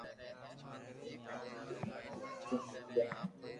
ھمو ۾ سوچئو ھي ڪي ھون